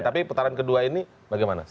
tapi putaran kedua ini bagaimana